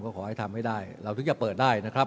ก็ขอให้ทำให้ได้เราถึงจะเปิดได้นะครับ